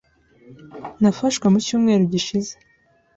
Nafashwe mu cyumweru gishize.